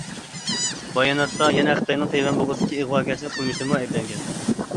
باياناتتا يەنە خىتاينىڭ تەيۋەن بوغۇزىدىكى ئىغۋاگەرچىلىك قىلمىشلىرىمۇ ئەيىبلەنگەن.